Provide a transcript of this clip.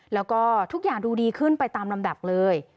แล้วก็ทุกอย่างดูดีขึ้นไปตามลำดับเลย